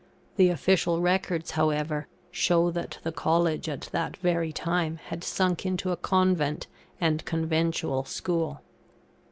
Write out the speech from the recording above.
The official records, however, show that the College at that very time had sunk into a convent and conventual school.